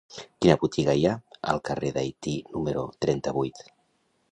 Quina botiga hi ha al carrer d'Haití número trenta-vuit?